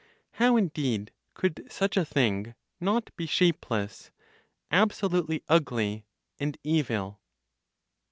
How, indeed, could such a thing not be shapeless, absolutely ugly and evil?